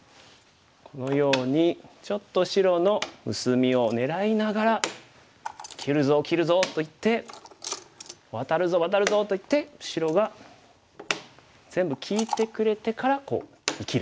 このようにちょっと白の薄みを狙いながら「切るぞ切るぞ」と言って「ワタるぞワタるぞ」と言って白が全部利いてくれてからこう生きる。